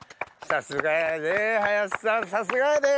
さすがやで！